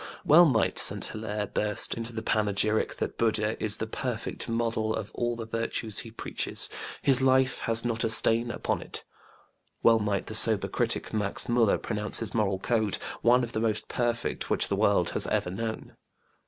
Well might St. Hilaire burst into the panegyric that BudĖĢdĖĢha "is the perfect model of all the virtues he preaches ... his life has not a stain upon it". Well might the sober critic Max MÃžller pronounce his moral code "one of the most perfect which the world has ever known".